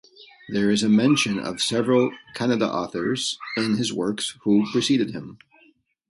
There is a mention of several Kannada authors in his works who preceded him.